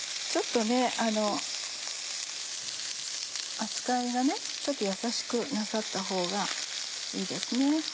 扱いがちょっと優しくなさったほうがいいですね。